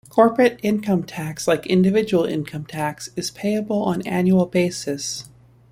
Corporate income tax like individual income tax is payable on annual basis.